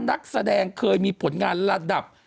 นักแสดงเคยมีผลงานระดับ